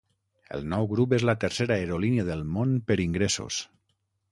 El nou grup és la tercera aerolínia del món per ingressos.